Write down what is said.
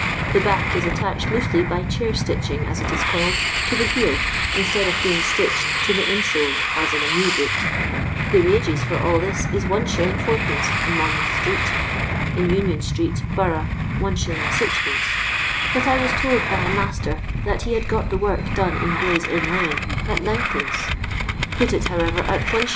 the back is attached loosely by chair stitching, as it is called, to the heel, instead of being stitched to the in sole, as in a new boot. The wages for all this is \i. id. in Monmouth street (in Union street, Bo rough, Is. Qd.) ; but I was told by a roaster that he had got the work done in Gray'sinn Une at 9(2. Tut it, however, at It.